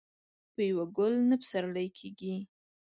په يوه ګل نه پسرلی کېږي.